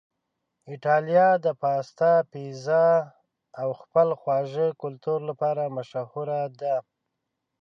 ایتالیا د پاستا، پیزا او خپل خواږه کلتور لپاره مشهوره ده.